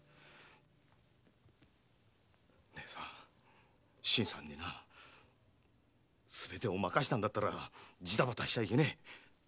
姉さん新さんにすべてを任せたんだったらジタバタしちゃいけねえ。